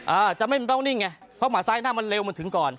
อ่าจะไม่ต้องนิ่งไงเพราะหมาซ้ายหน้ามันเร็วมันถึงก่อน